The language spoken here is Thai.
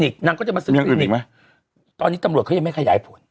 นางก็จะมาสืบคลินิกมีอย่างอื่นอีกไหมตอนนี้ตำรวจเขายังไม่ขยายผล